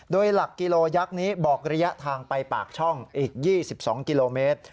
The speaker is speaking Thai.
โดยหลักกิโลยักษ์นี้บอกระยะทางไปปากช่องอีก๒๒กิโลเมตร